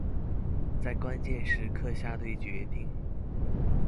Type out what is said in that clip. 在關鍵時刻下對決定